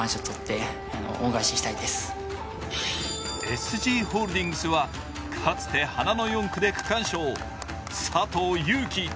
ＳＧホールディングスはかつて花の４区で区間賞、佐藤悠基。